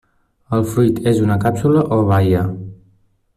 El fruit és una càpsula o baia.